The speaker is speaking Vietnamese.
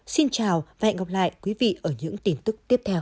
xin chào và hẹn gặp lại quý vị ở những tin tức tiếp theo